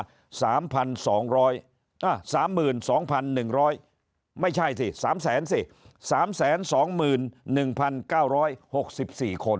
หรอ๓หมื่น๒พัน๑ร้อยไม่ใช่สิ๓๐๐๐๐๐น้ำ๓๐๒๐๑๙๖๔คน